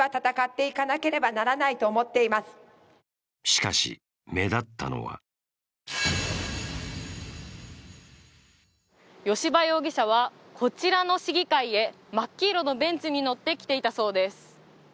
しかし、目立ったのは吉羽容疑者はこちらの市議会へ真っ黄色のベンツに乗って来ていたそうです。